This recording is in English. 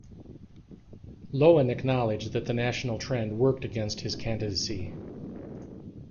Loewen acknowledged that the national trend worked against his candidacy.